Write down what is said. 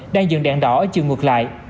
đang dừng đèn đỏ ở trường ngược lại